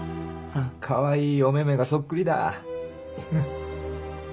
カワイイおめめがそっくりだ。